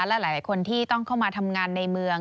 และหลายคนที่ต้องเข้ามาทำงานในเมือง